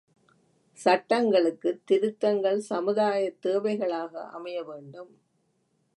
சட்டங்களுக்குத் திருத்தங்கள் சமுதாயத்.ேதவைகலளாக அமையவேண்டும்.